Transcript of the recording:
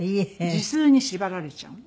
字数に縛られちゃうの。